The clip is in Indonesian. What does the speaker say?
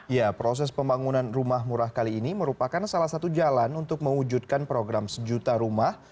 ya proses pembangunan rumah murah kali ini merupakan salah satu jalan untuk mewujudkan program sejuta rumah